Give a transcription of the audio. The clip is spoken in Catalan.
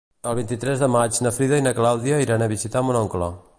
El vint-i-tres de maig na Frida i na Clàudia iran a visitar mon oncle.